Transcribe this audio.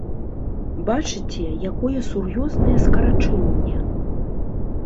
Бачыце, якое сур'ёзнае скарачэнне?